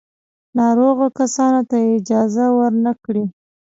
ناروغو کسانو ته اجازه ور نه کړي.